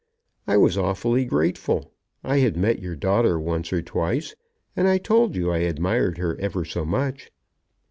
"I was awfully grateful. I had met your daughter once or twice, and I told you I admired her ever so much."